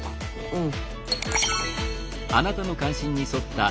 うん。